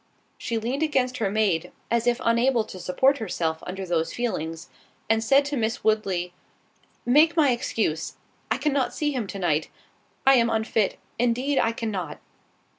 She leaned against her maid, as if unable to support herself under those feelings, and said to Miss Woodley, "Make my excuse—I cannot see him to night—I am unfit—indeed I cannot."